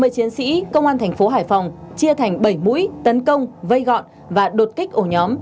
ba mươi chiến sĩ công an thành phố hải phòng chia thành bảy mũi tấn công vây gọn và đột kích ổ nhóm